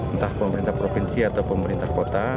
entah pemerintah provinsi atau pemerintah kota